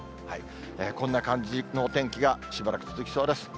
こんな感じのお天気がしばらく続きそうです。